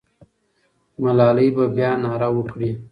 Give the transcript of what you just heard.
ملالۍ به بیا ناره وکړي.